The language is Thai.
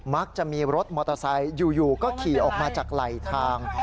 มักจะมีรถมอเตอร์ไซค์อยู่ก็ขี่ออกมาจากไหลทาง